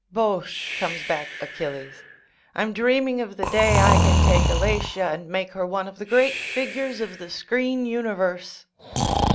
"Both," comes back Achilles. "I'm dreaming of the day I can take Alatia and make her one of the great figures of the screen universe."